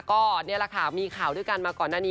ก็นี่แหละค่ะมีข่าวด้วยกันมาก่อนหน้านี้